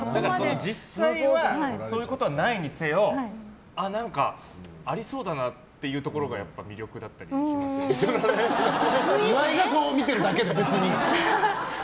実際はそういうことはないにせよ何か、ありそうだなってところがやっぱり岩井がそう見てるだけで別に。